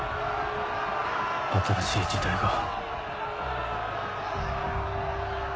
新しい時代が。